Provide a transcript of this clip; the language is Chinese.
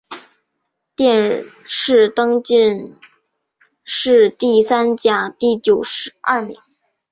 殿试登进士第三甲第九十二名。